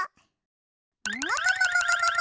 ももももももも！